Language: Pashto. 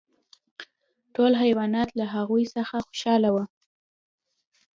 ټول حیوانات له هغوی څخه خوشحاله وو.